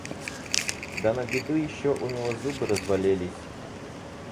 Да на беду еще у него зубы разболелись.